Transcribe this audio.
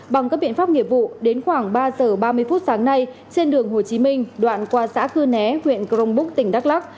bằng các biện pháp nghiệp vụ đến khoảng ba giờ ba mươi phút sáng nay trên đường hồ chí minh đoạn qua xã cư né huyện crong búc tỉnh đắk lắc